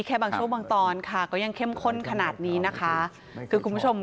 คุณเรย์นะครับพิธีกรนะครับ